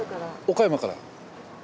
岡山から。